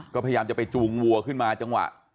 ก็พยายามจะไปจูงวัวขึ้นมาจังหวะ